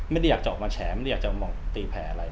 ไม่ได้อด้วยแบบมองตีแขงอะไร